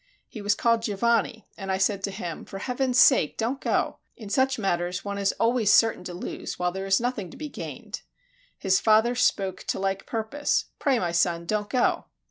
He was called Giovanni; and I said to him, "For Heaven's sake, don't go! In such matters one is always certain to lose, while there is nothing to be gained." His father spoke to like purpose, "Pray, my son, don't go!"